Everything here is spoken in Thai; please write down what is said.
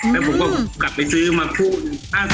แล้วผมกลับมาซื้อมาคู่๕๐๐๐๐บาท